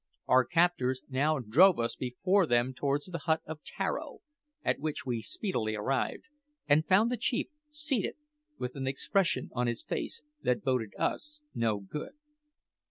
Our captors now drove us before them towards the hut of Tararo, at which we speedily arrived, and found the chief seated with an expression on his face that boded us no good.